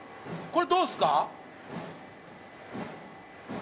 これどうですか？